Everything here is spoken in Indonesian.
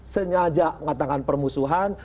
sengaja mengatakan permusuhan